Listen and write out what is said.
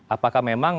apakah menurut anda